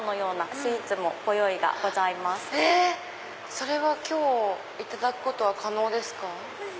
それは今日いただくことは可能ですか？